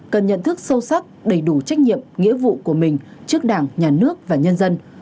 cần nhận thức sâu sắc đầy đủ trách nhiệm nghĩa vụ của mình trước đảng nhà nước và nhân dân